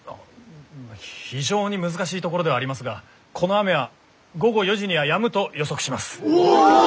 非常に難しいところではありますがこの雨は午後４時にはやむと予測します。